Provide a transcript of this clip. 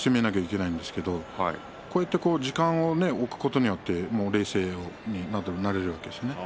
時間を置くことによって冷静になれるわけですよね。